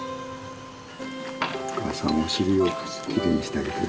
お母さんお尻をきれいにしてあげてるね。